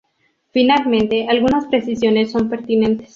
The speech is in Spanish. Finalmente, algunas precisiones son pertinentes.